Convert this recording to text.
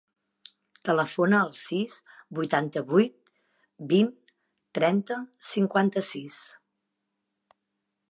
Telefona al sis, vuitanta-vuit, vint, trenta, cinquanta-sis.